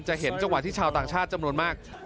เห็นจังหวะที่ชาวต่างชาติจำนวนมาก